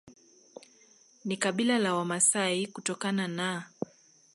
ni kabila la Wamasai kutokana na